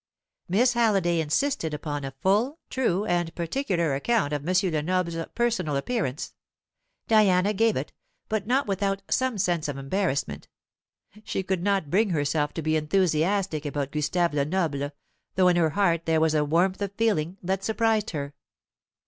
Miss Halliday insisted upon a full, true, and particular account of M. Lenoble's personal appearance. Diana gave it, but not without some sense of embarrassment. She could not bring herself to be enthusiastic about Gustave Lenoble, though in her heart there was a warmth of feeling that surprised her.